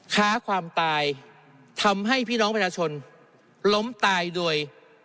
ค้าความตายทำให้พี่น้องประชาชนล้มตายโดย